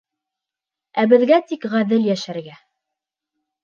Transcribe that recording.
Ә беҙгә тик ғәҙел йәшәргә!